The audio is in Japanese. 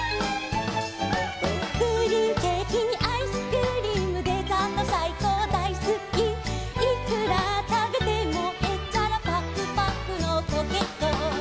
「プリンケーキにアイスクリーム」「デザートさいこうだいすき」「いくらたべてもへっちゃらぱくぱくのコケッコー」